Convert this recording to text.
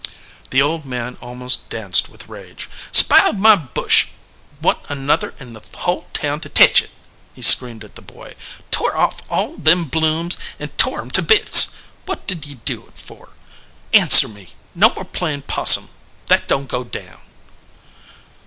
The old man almost danced with rage. "Sp iled that bush! Wa n t another in the hull town to tech it!" he screamed at the boy. "Tore off all them blooms and tore em to bits! What did ye do it for? Answer me! No more playin pos sum. That don t go down."